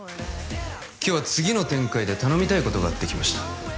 今日は次の展開で頼みたいことがあって来ました